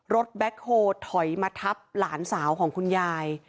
แบ็คโฮถอยมาทับหลานสาวของคุณยาย